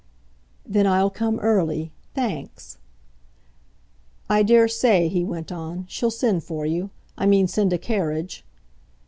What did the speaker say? "Then I'll come early thanks." "I daresay," he went on, "she'll send for you. I mean send a carriage."